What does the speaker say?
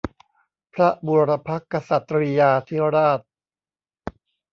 พระบุรพกษัตริยาธิราช